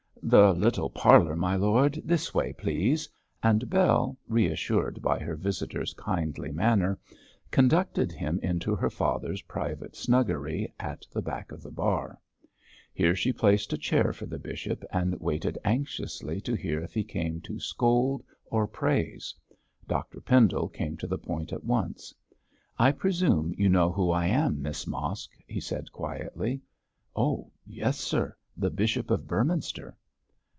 'The little parlour, my lord; this way, please,' and Bell, reassured by her visitor's kindly manner, conducted him into her father's private snuggery at the back of the bar. Here she placed a chair for the bishop, and waited anxiously to hear if he came to scold or praise. Dr Pendle came to the point at once. 'I presume you know who I am, Miss Mosk?' he said quietly. 'Oh, yes, sir; the Bishop of Beorminster.'